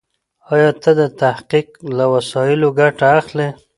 ايا ته د تحقيق له وسایلو ګټه اخلې؟